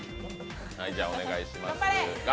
お願いします。